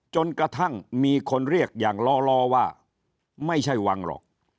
จนกระทั่งมีคนเรียกอย่างล้อว่าไม่ใช่วังหรอก